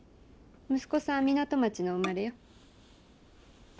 息子さんは港町の生まれよ。